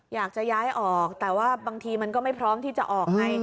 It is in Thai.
อยากจะย้ายออกแต่ว่าบางทีมันก็ไม่พร้อมที่จะออกไง